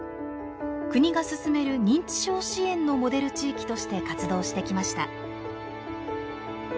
国が進める認知症支援のモデル地域として活動してきました。